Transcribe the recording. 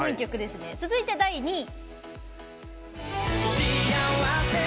続いて、第２位。